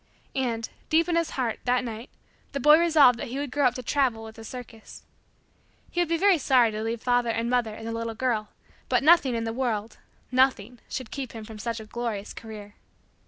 And, deep in his heart, that night, the boy resolved that he would grow up to travel with a circus. He would be very sorry to leave father and mother and the little girl but nothing in the world nothing should keep him from such a glorious career.